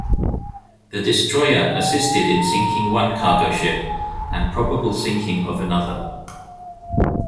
The destroyer assisted in sinking one cargo ship and probable sinking of another.